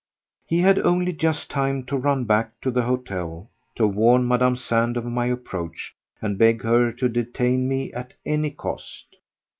He had only just time to run back to the hotel to warn Mme. Sand of my approach and beg her to detain me at any cost.